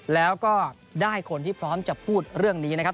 แล้วก็ได้คนที่พร้อมจะพูดเรื่องนี้นะครับ